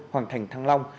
hoàng thành thăng long